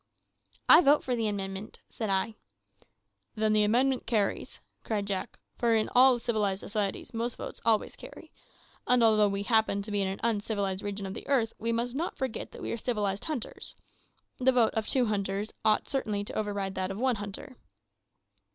"I vote for the amendment," said I. "Then the amendment carries," cried Jack, "for in all civilised societies most votes always carry; and although we happen to be in an uncivilised region of the earth, we must not forget that we are civilised hunters. The vote of two hunters ought certainly to override that of one hunter."